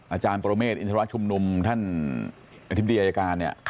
อาจารย์ปรเมษอินทรวจชุมนุมท่านอธิบดียายการ